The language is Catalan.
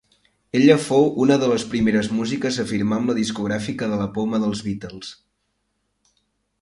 Ella fou una de les primeres músiques a firmar amb la discogràfica de la poma dels Beatles.